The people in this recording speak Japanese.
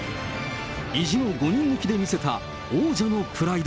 意地の５人抜きで見せた王者のプライド。